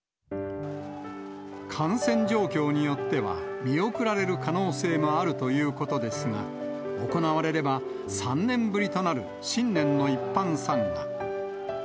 感染状況によっては、見送られる可能性もあるということですが、行われれば３年ぶりとなる、新年の一般参賀。